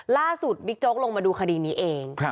ล่าสุดบิ๊กโจ๊กลงมาดูคดีนี้เอง